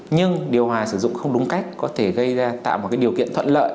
nhưng điều hòa sử dụng không đúng cách có thể gây ra tạo một điều kiện thuận lợi